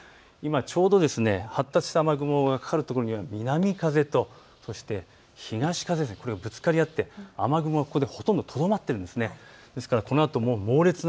ちょうど発達した雨雲がかかる所には南風と東風がぶつかり合って雨雲がほとんどとどまっているんです。